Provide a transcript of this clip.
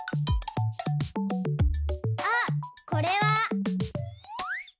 あっこれは。